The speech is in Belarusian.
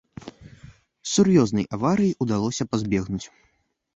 Сур'ёзнай аварыі ўдалося пазбегнуць.